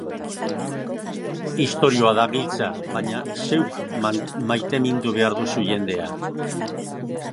Istorioa da giltza, baina zeuk maitemindu behar duzu jendea.